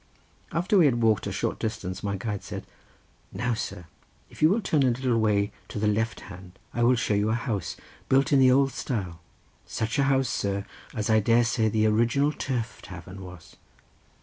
After we had walked a short distance my guide said, "Now, sir, if you will turn a little way to the left hand I will show you a house built in the old style, such a house, sir, as I dare say the original turf tavern was."